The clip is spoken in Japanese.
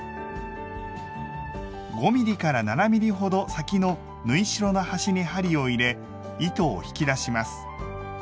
５ｍｍ７ｍｍほど先の縫い代の端に針を入れ糸を引き出します。